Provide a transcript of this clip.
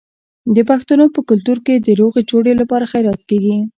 د پښتنو په کلتور کې د روغې جوړې لپاره خیرات کیږي.